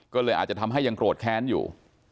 ก็เลยอาจจะทำให้ยังโกรธแค้นอยู่